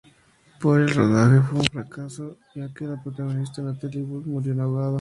Pero el rodaje fue un fracaso, ya que la protagonista, Natalie Wood, murió ahogada.